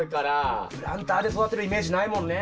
プランターで育てるイメージないもんね。